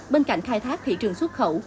bên cạnh khai thác thị trường xuất khẩu